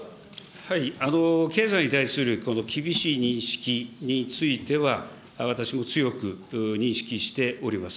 経済に対するこの厳しい認識については、私も強く認識しております。